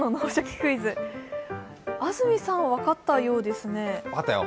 クイズ」、安住さん分かったようですね。